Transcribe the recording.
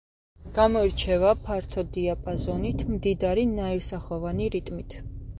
გამოირჩევა ფართო დიაპაზონით, მდიდარი, ნაირსახოვანი რიტმით.